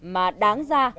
mà đáng ra